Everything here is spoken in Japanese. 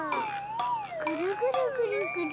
ぐるぐるぐるぐる。